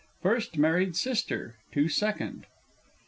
_ FIRST MARRIED SISTER (to Second).